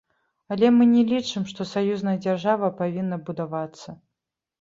Але мы не лічым, што саюзная дзяржава павінна будавацца.